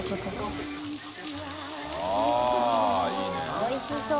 おいしそう。